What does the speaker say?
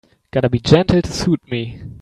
Gotta be gentle to suit me.